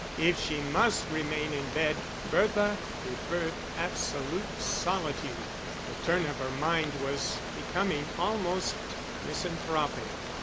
If she must remain in bed, Bertha preferred absolute solitude; the turn of her mind was becoming almost misanthropic.